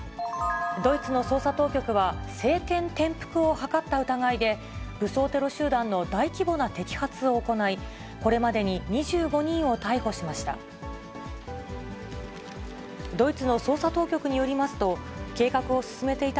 ドイツの捜査当局は、政権転覆をはかった疑いで、武装テロ集団の大規模な摘発を行い、これまでに２５人を逮捕しました。